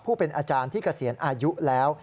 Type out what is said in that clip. เป็นอาจารย์ที่เกษียณอายุแล้ว